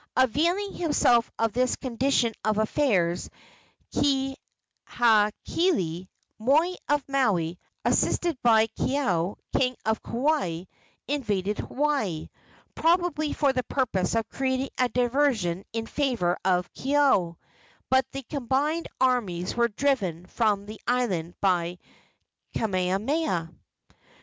Availing himself of this condition of affairs, Kahekili, moi of Maui, assisted by Kaeo, king of Kauai, invaded Hawaii, probably for the purpose of creating a diversion in favor of Keoua, but the combined armies were driven from the island by Kamehameha.